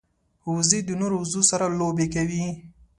وزې د نورو وزو سره لوبې کوي